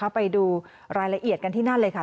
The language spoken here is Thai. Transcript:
ไปดูรายละเอียดกันที่นั่นเลยค่ะ